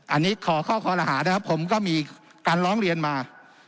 อันนี้ขอข้อคอรหานะครับผมก็มีการร้องเรียนมา